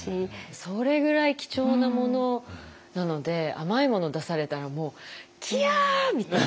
それぐらい貴重なものなので甘いもの出されたらもうキャー！みたいな。